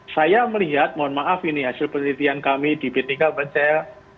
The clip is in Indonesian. saya melihat mohon maaf ini hasil penelitian kami di pt kalpen saya